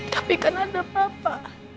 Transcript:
tapi kan ada papa